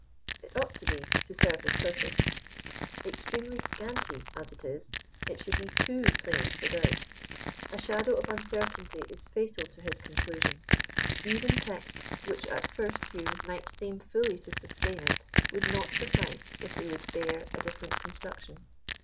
It ought to be, to serve his purpose. Extremely scanty as it is, it should be too plain for doubt. A shadow of uncertainty is fatal to his conclusion. 124 Eren texts which at first view might seem fully to sustain it, would not suffice if they Would bear a difierent constrCictioQ.